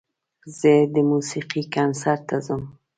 زه د موسیقۍ کنسرت ته ځم.